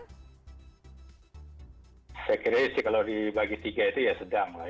saya kira kalau dibagi tiga itu ya sedang